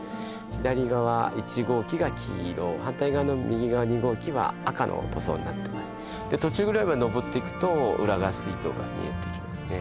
左側１号機が黄色反対側の右側２号機は赤の塗装になってますで途中ぐらいまで上っていくと浦賀水道が見えてきますね